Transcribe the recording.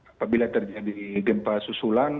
apabila terjadi gempa susulan